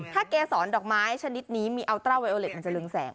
ถ้าเกษรดอกไม้ชนิดนี้มีอัลตราไลโอเล็ตมันจะลึงแสง